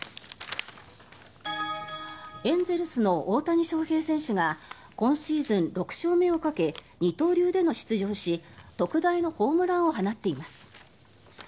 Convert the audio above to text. エンゼルスの大谷翔平選手が今シーズン６勝目をかけ二刀流で出場し特大のホームランを放っています。